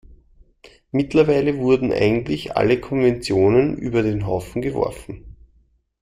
Mittlerweile wurden eigentlich alle Konventionen über den Haufen geworfen.